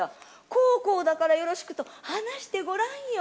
こうこうだからって話してごらんよ。